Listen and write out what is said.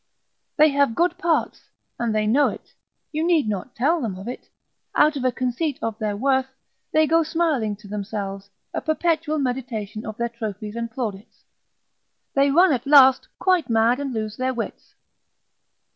They have good parts, and they know it, you need not tell them of it; out of a conceit of their worth, they go smiling to themselves, a perpetual meditation of their trophies and plaudits, they run at last quite mad, and lose their wits.